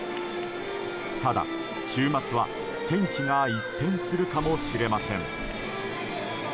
ただ、週末は天気が一変するかもしれません。